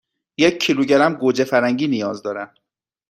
یک کیلوگرم گوجه فرنگی نیاز دارم.